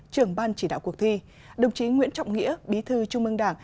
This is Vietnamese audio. trưởng ban chỉ đạo cuộc thi đồng chí nguyễn trọng nghĩa bí thư trung mương đảng